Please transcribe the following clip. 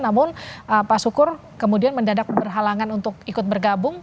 namun pak sukur kemudian mendadak berhalangan untuk ikut bergabung